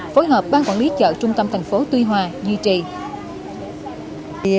phối hợp ban quản lý chợ trung tâm thành phố tuy hòa duy trì